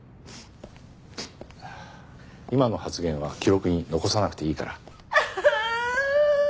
今の発言は記録に残さなくていいから。